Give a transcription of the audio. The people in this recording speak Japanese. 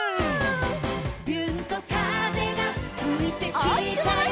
「びゅーんと風がふいてきたよ」